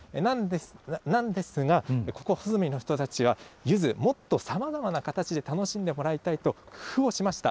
なんですが、ここ、穂積の人たちは、ゆず、もっとさまざまな形で楽しんでもらいたいと、工夫をしました。